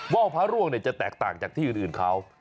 ว่าวพระร่วงจะแตกต่างจากที่อื่นเขา